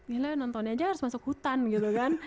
gila ya nontonnya aja harus masuk hutan gitu kan